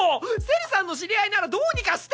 セリさんの知り合いならどうにかしてよ！